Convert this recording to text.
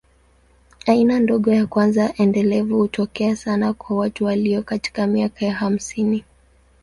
Aina ndogo ya kwanza endelevu hutokea sana kwa watu walio katika miaka ya hamsini.